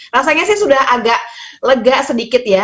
rasanya sih sudah agak lega sedikit ya